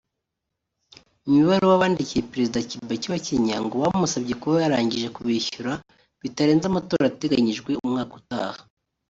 Mu ibaruwa bandikiye Perezida Kibaki wa Kenya ngo bamusabye kuba yarangije kubishyura bitarenze amatora ateganyijwe umwaka utaha